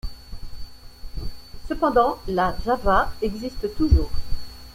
Cependant, La Java existe toujours.